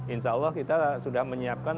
insya allah kita sudah menyiapkan